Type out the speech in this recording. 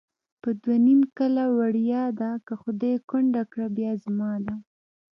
په دوه نیم کله وړیا ده، که خدای کونډه کړه بیا زما ده